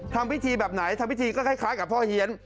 ทำพิธีแบบไหนทำพิธีก็คล้ายกับพ่อเฮียน